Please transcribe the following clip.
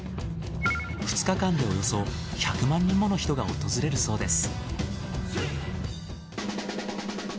２日間でおよそ１００万人もの人が訪れるそうです。